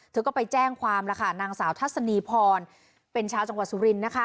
เธอก็ไปแจ้งความแล้วค่ะนางสาวทัศนีพรเป็นชาวจังหวัดสุรินทร์นะคะ